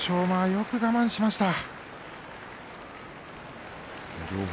よく我慢しました。